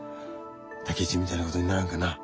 武一みたいなことにならんかな？